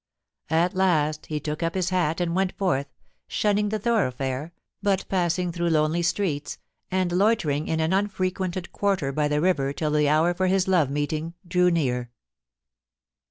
At last he took up his hat and went forth, shunning the thoroughfare, but passing through lonely streets, and loiter ing in an unfrequented quarter by the river till the hour for his love meeting drew near.